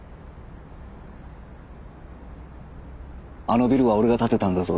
「あのビルは俺が建てたんだぞ」